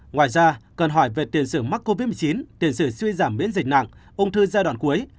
ngoài ra cần hỏi về tiền sử mắc covid một mươi chín tiền sử suy giảm miễn dịch nặng ung thư giai đoạn cuối